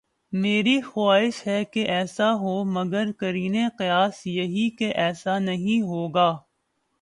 میری خواہش ہے کہ ایسا ہو مگر قرین قیاس یہی کہ ایسا نہیں ہو گا۔